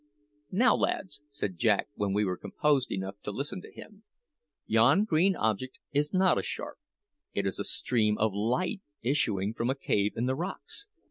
"Now, lads," said Jack when we were composed enough to listen to him, "yon green object is not a shark; it is a stream of light issuing from a cave in the rocks.